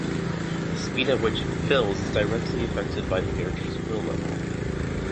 The speed at which it fills is directly affected by the character's will level.